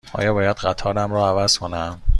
آیا باید قطارم را عوض کنم؟